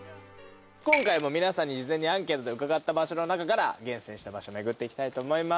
今回も皆さんに事前にアンケートで伺った場所の中から厳選した場所巡っていきたいと思います。